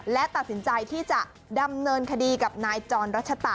และตัดสินใจที่จะดำเนินคดีกับนายจรรัชตะ